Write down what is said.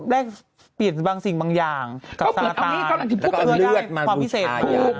ได้เปลี่ยนบางสิ่งบางอย่างกับสาธารณ์แล้วก็เอาเลือดมาบูชาอย่าง